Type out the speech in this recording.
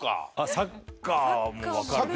サッカーもわかるね。